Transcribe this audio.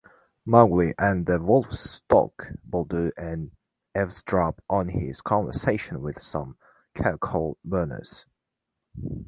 Mowgli and the wolves stalk Buldeo and eavesdrop on his conversation with some charcoal-burners.